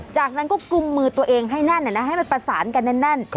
จากนั้นก็กุมมือตัวเองให้แน่นให้มันประสานกันแน่น